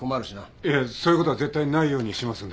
いえそういうことは絶対ないようにしますんで。